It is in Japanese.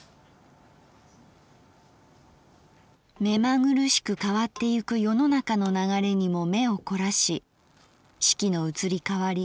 「めまぐるしく変ってゆく世の中の流れにも眼を凝らし四季の移り変り